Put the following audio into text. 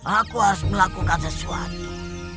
aku harus melakukan sesuatu